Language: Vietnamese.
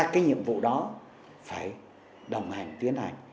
ba cái nhiệm vụ đó phải đồng hành tiến hành